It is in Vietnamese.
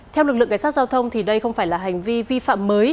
theo lực lượng cảnh sát giao thông thì đây không phải là hành vi vi phạm mới